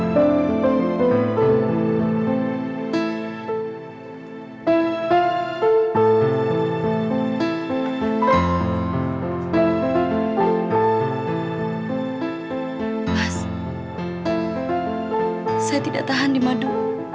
saya tidak tahan dimadu